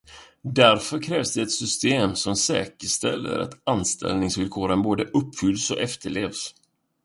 Därför krävs det ett system som säkerställer att anställningsvillkoren både uppfylls och efterlevs.